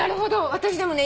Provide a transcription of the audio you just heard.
私でもね